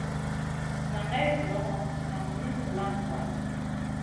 Naŋay vudoŋo, nan min vulaŋ vaʼa.